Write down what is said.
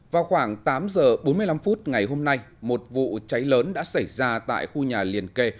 vào khoảng tám giờ bốn mươi năm phút ngày hôm nay một vụ cháy lớn đã xảy ra tại khu nhà liền kề